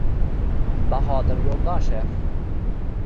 Bahodir Yo‘ldoshev!..